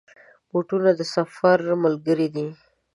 بوټونه د سفر ملګري دي.